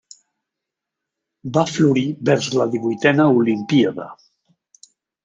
Va florir vers la divuitena olimpíada.